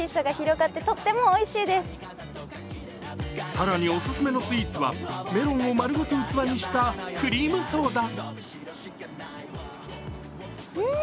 更に、オススメのスイーツはメロンを丸ごと器にしたクリームソーダ。